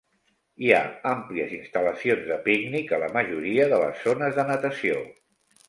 Hi ha àmplies instal·lacions de pícnic a la majoria de les zones de natació.